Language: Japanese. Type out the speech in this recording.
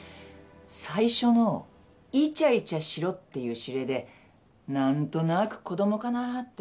最初のいちゃいちゃしろっていう指令で何となく子供かなって。